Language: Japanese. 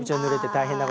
あ大変だ。